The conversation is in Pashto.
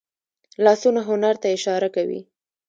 لاسونه هنر ته اشاره کوي